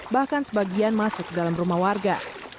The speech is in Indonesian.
bahkan sebagian masuk ke dalam rumah warga